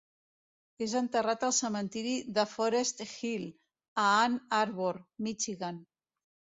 És enterrat al cementiri de Forest Hill a Ann Arbor, Michigan.